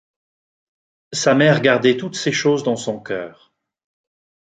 Sa mère gardait toutes ces choses dans son cœur.